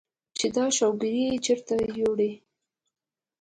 چې دا شوګر ئې چرته يوړۀ ؟